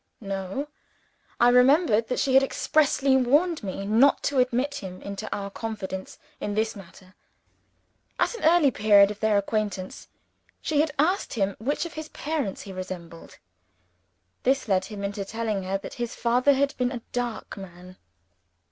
No! I remembered that she had expressly warned me not to admit him into our confidence in this matter. At an early period of their acquaintance, she had asked him which of his parents he resembled. This led him into telling her that his father had been a dark man.